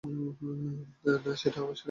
না, সেটা আমার জন্য হয়েছে।